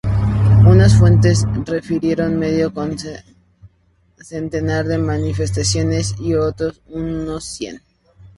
Unas fuentes refirieron medio centenar de manifestantes y otras unos cien.